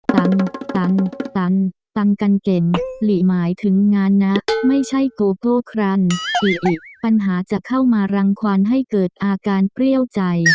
ตังค์ตันตันปังกันเก่งหลีหมายถึงงานนะไม่ใช่โกโก้ครันอิอิปัญหาจะเข้ามารังควันให้เกิดอาการเปรี้ยวใจ